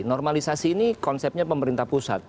normalisasi ini konsepnya pemerintah pusat